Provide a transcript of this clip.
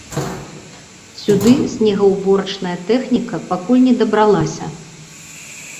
Сюды снегаўборачная тэхніка пакуль не дабралася.